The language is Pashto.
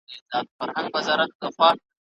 ایا تسلي ورکول دومره ستونزمن کار دی؟